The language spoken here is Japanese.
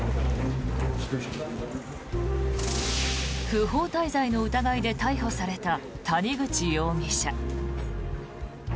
不法滞在の疑いで逮捕された谷口容疑者。